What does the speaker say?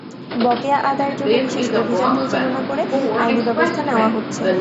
বকেয়া আদায়ের জন্য বিশেষ অভিযান পরিচালনা করে আইনি ব্যবস্থা নেওয়া হচ্ছে।